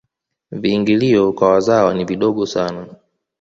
viingilio kwa wazawa ni vidogo sana